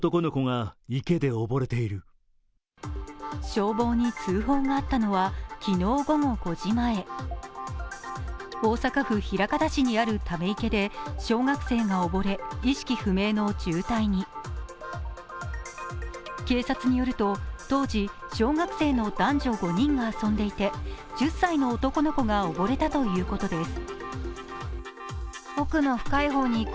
消防に通報があったのは昨日午後５時前大阪府枚方市にあるため池で小学生がおぼれ、意識不明の重体に警察によると当時、小学生の男女５人が遊んでいて１０歳の男の子が溺れたということです。